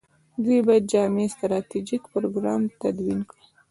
دوی باید جامع ستراتیژیک پروګرام تدوین کړي.